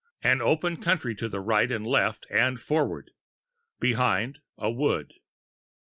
An open country to right and left and forward; behind, a wood.